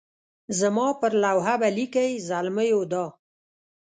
زما پر لوحه به لیکئ زلمیو دا.